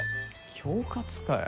恐喝かよ。